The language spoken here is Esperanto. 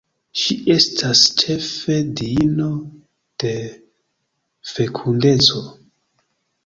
Ŝi estas ĉefe diino de fekundeco.